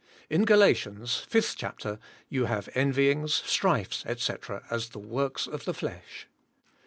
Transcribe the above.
In Galatians, 5th chapter, you have envyings, strifes, etc. as the works of the flesh.